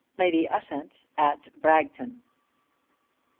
LADY USHANT AT BRAGTON.